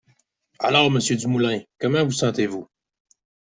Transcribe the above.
Alors Monsieur Dumoulin, comment vous sentez-vous?